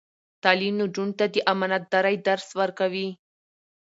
تعلیم نجونو ته د امانتدارۍ درس ورکوي.